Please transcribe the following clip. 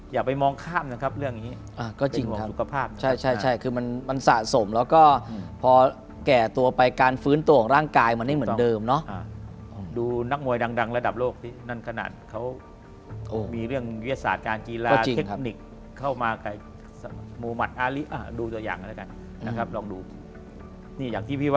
อย่าไปมองข้ามเรื่องเฉลี่ยเป็นของธุรกภาพ